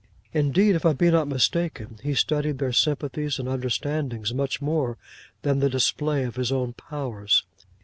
Indeed if I be not mistaken, he studied their sympathies and understandings much more than the display of his own powers.